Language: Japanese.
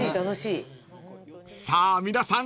［さあ皆さん